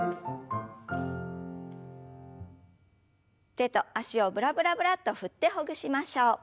手と脚をブラブラブラッと振ってほぐしましょう。